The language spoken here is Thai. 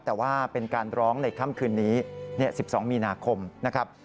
แต่ว่าเป็นการร้องในค่ำคืนนี้๑๒มีนาคมนะครับ